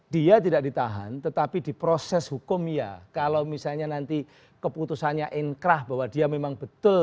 dia tidak ditahan tetapi di proses hukum ya kalau misalnya nanti keputusannya inkrah bahwa dia memang betul